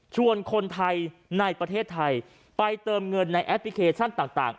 คนไทยในประเทศไทยไปเติมเงินในแอปพลิเคชันต่าง